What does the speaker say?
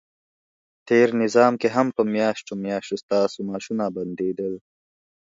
تېر نظام کې هم په میاشتو میاشتو ستاسو معاشونه بندیدل،